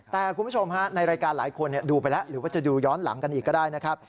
แต่คุณผู้ชมฮะในรายการหลายคนดูไปแล้วหรือว่าจะดูย้อนหลังกันอีกก็ได้นะครับ